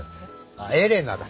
あエレナだ！